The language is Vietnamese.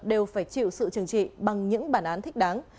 đều phải chịu sự trừng trị bằng những bản án thích đáng